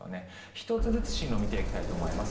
１つずつ進路を見ていきたいと思います。